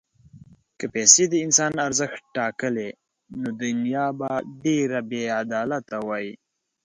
که پیسې د انسان ارزښت ټاکلی، نو دنیا به ډېره بېعدالته وای.